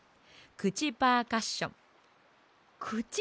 くちパーカッション！